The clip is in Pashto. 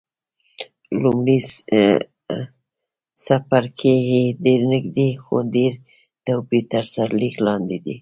لومړی څپرکی یې ډېر نږدې، خو ډېر توپیر تر سرلیک لاندې دی.